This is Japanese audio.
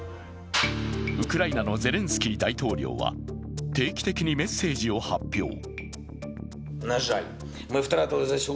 ウクライナのゼレンスキー大統領は定期的にメッセージを発表。